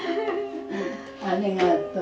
ありがとう。